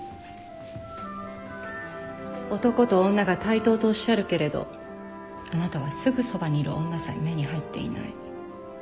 男と女が対等とおっしゃるけれどあなたはすぐそばにいる女さえ目に入っていない。